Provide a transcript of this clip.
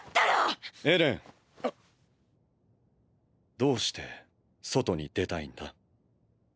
どうして外に出たいんだ？